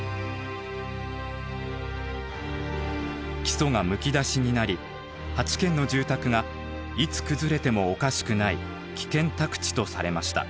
基礎がむき出しになり８軒の住宅がいつ崩れてもおかしくない危険宅地とされました。